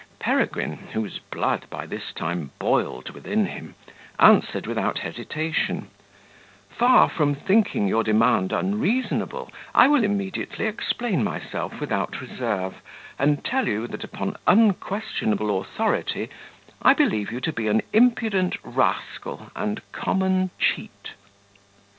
Peregrine (whose blood by this time boiled within him) answered without hesitation, "Far from thinking your demand unreasonable, I will immediately explain myself without reserve, and tell you, that, upon unquestionable authority, I believe you to be an impudent rascal and common cheat."